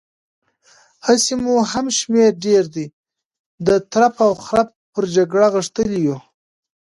هسې مو هم شمېر ډېر دی، د ترپ او خرپ پر جګړې غښتلي يو.